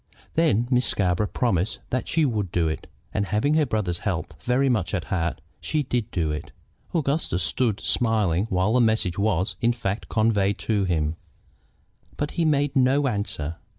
Then Miss Scarborough promised that she would do it, and, having her brother's health very much at heart, she did do it. Augustus stood smiling while the message was, in fact, conveyed to him, but he made no answer.